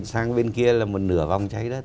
sang bên kia là một nửa vòng cháy đất